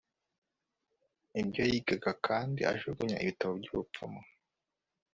ibyo yigaga kandi ajugunya ibitabo by ubupfumu